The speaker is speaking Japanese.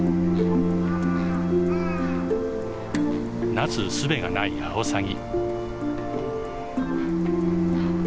なすすべがないアオサギ。